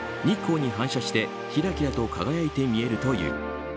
日光に反射してキラキラと輝いて見えるという。